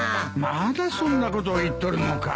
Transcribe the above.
まだそんなことを言っとるのか。